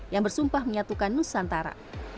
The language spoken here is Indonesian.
yang bersumpah menyatukan nusantara